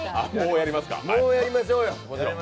もうやりましょうよ。